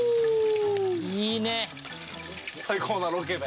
いいね！